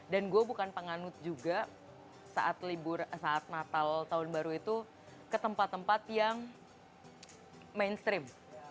dan gue bukan penganut juga saat natal tahun baru itu ke tempat tempat yang mainstream